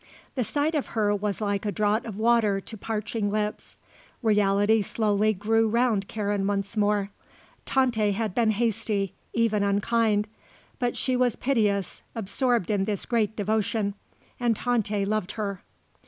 The sight of her was like a draught of water to parching lips. Reality slowly grew round Karen once more. Tante had been hasty, even unkind; but she was piteous, absorbed in this great devotion; and Tante loved her.